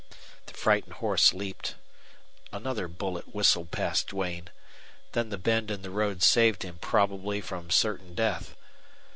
The frightened horse leaped. Another bullet whistled past Duane. Then the bend in the road saved him probably from certain death.